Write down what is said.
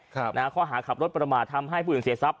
ครับนะฮะข้อหาขับรถประมาททำให้ผู้ถึงเสียทรัพย์